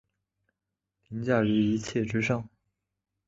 凌驾於一切之上